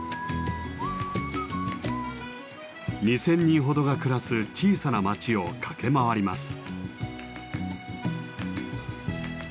２，０００人ほどが暮らす小さな町を駆け回ります。